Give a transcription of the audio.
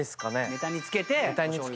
ネタにつけて。